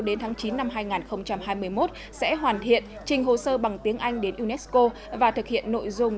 đến tháng chín năm hai nghìn hai mươi một sẽ hoàn thiện trình hồ sơ bằng tiếng anh đến unesco và thực hiện nội dung